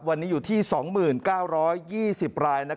วันนี้อยู่ที่๒๙๒๐ราย